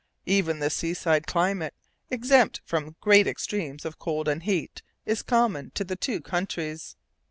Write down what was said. Even the seaside climate, exempt from great extremes of cold and heat, is common to the two countries.